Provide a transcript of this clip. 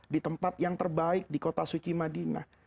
di tempat yang terbaik di kota suci madinah